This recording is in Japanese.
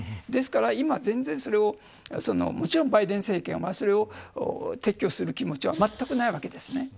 ですから今、全然それをもちろんバイデン政権はそれを撤去する気持ちはまったくないわけです。